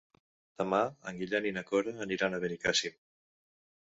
Demà en Guillem i na Cora aniran a Benicàssim.